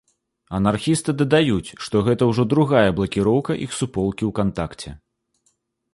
Анархісты дадаюць, што гэта ўжо другая блакіроўка іх суполкі ўкантакце.